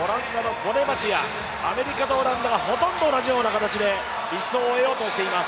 アメリカとオランダがほとんど同じような形で１走を終えようとしています。